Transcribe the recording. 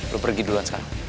lo pergi duluan sekarang